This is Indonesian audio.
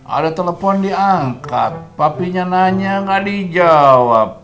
ada telepon diangkat papinya nanya nggak dijawab